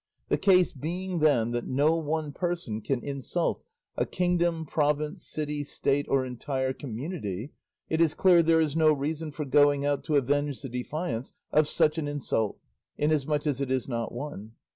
The case being, then, that no one person can insult a kingdom, province, city, state, or entire community, it is clear there is no reason for going out to avenge the defiance of such an insult, inasmuch as it is not one.